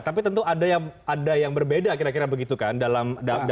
tapi tentu ada yang berbeda kira kira begitu kan dalam dakwaan